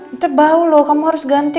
kita bau loh kamu harus ganti